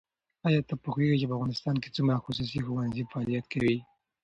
ایا ته پوهېږې چې په افغانستان کې څومره خصوصي ښوونځي فعالیت کوي؟